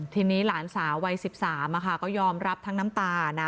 ทีนี้หลานสาววัย๑๓ก็ยอมรับทั้งน้ำตานะ